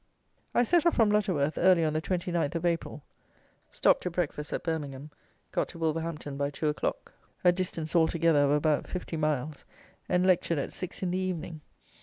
I set off from Lutterworth early on the 29th of April, stopped to breakfast at Birmingham, got to Wolverhampton by two o'clock (a distance altogether of about 50 miles), and lectured at six in the evening.